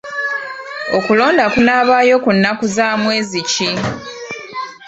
Okulonda kunaabaayo ku nnnaku za mwezi ki?